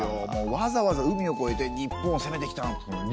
わざわざ海をこえて日本を攻めてきたんですもん。